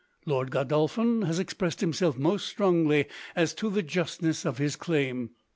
Lord Godolphin has expressed himself most strongly as to the justness of his claim.